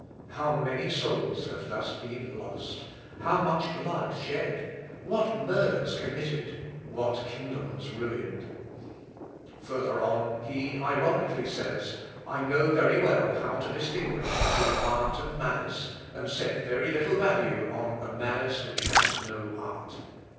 how many souls have thus been lost! how much blood shed! what murders committed! what kingdoms ruined!" [Sidenote: EFFECTS OF THE BULL.] Further on he ironically says, "I know very well how to distinguish between art and malice, and set very little value on a malice which has no art.